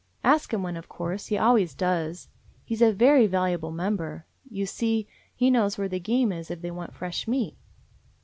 Ask Him went, of course. He always goes. He 's a very val'able member. You see, he knows where the game is if they want fresh meat.